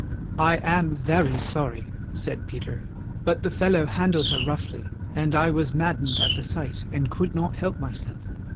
"I am very sorry," said Peter, "but the fellow handled her roughly, and I was maddened at the sight and could not help myself.